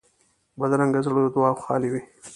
بدرنګه زړه له دعاوو خالي وي